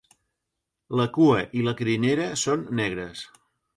La cua i la crinera són negres.